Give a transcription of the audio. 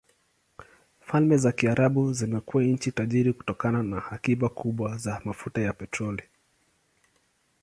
Falme za Kiarabu zimekuwa nchi tajiri kutokana na akiba kubwa za mafuta ya petroli.